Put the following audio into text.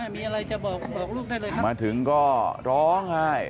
มีอะไรจะบอกบอกลูกได้เลยนะมาถึงก็ร้องไห้